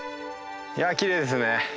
いやきれいですね。